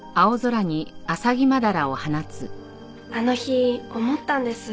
あの日思ったんです。